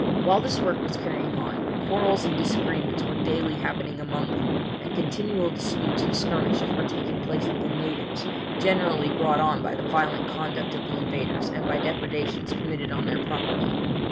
While this work was carrying on, quarrels and disagreements were daily happening among them, and continual disputes and skirmishes were taking place with the natives, generally brought on by the violent conduct of the invaders, and by depredations committed on their property.